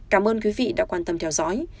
cảm ơn quý vị đã quan tâm theo dõi